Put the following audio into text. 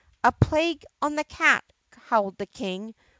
"A plague on the cat!" howled the King.